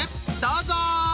どうぞ！